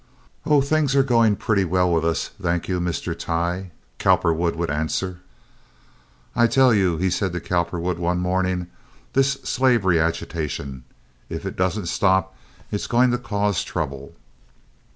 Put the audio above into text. "Oh, things are going pretty well with us, thank you, Mr. Tighe," Cowperwood would answer. "I tell you," he said to Cowperwood one morning, "this slavery agitation, if it doesn't stop, is going to cause trouble."